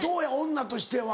女としては。